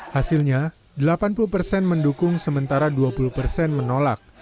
hasilnya delapan puluh persen mendukung sementara dua puluh persen menolak